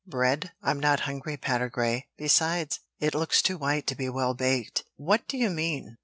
"Bread? I'm not hungry, Patergrey; besides, it looks too white to be well baked. What do you mean?